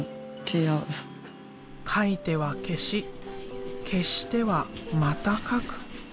描いては消し消してはまた描く。